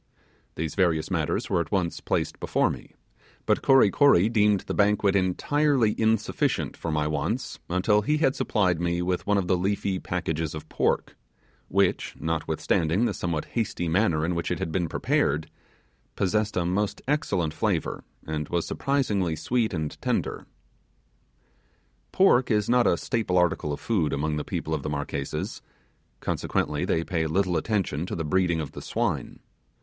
These various matters were at once placed before me; but Kory Kory deemed the banquet entirely insufficient for my wants until he had supplied me with one of the leafy packages of pork, which, notwithstanding the somewhat hasty manner in which it had been prepared, possessed a most excellent flavour, and was surprisingly sweet and tender. Pork is not a staple article of food among the people of the Marquesas; consequently they pay little attention to the BREEDING of the swine.